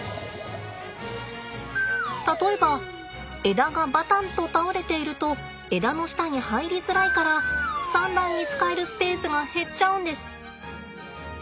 例えば枝がバタンと倒れていると枝の下に入りづらいから産卵に使えるスペースが減っちゃうんです。